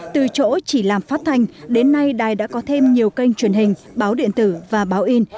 từ chỗ chỉ làm phát thanh đến nay đài đã có thêm nhiều kênh truyền hình báo điện tử và báo in